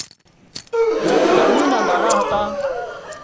گرمي نا ۮاڙا هتا